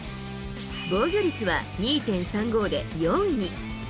防御率は２．３５で４位に。